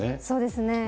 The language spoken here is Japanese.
そうですね。